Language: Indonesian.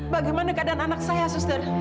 bagaimana keadaan anak saya suster